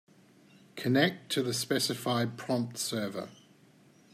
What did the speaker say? Connect to the specified prompt server.